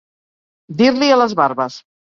Dir-li a les barbes.